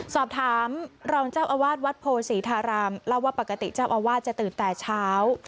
สอบถามรองเจ้าอาวาสวัดโพศีธารามเล่าว่าปกติเจ้าอาวาสจะตื่นแต่เช้า